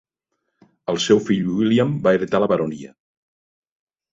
El seu fill William va heretar la baronia.